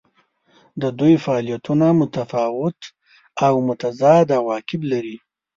د دوی فعالیتونه متفاوت او متضاد عواقب لري.